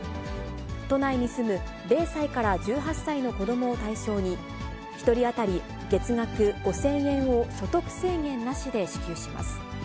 都内に住む０歳から１８歳の子どもを対象に、１人当たり月額５０００円を、所得制限なしで支給します。